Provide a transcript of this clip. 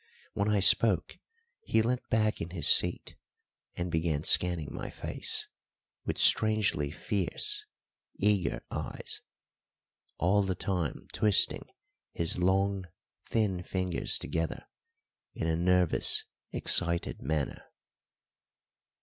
When I spoke he leant back in his seatand began scanning my face with strangely fierce, eager eyes, all the time twisting his long, thin fingers together in a nervous, excited manner.